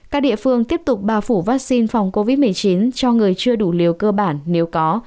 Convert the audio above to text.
các địa phương tiếp tục bao phủ vaccine phòng covid một mươi chín cho người chưa đủ liều cơ bản nếu có